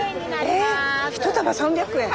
え１束３００円？